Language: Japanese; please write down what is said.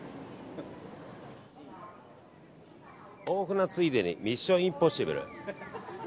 大船ついでに「ミッション：インポッシブル」。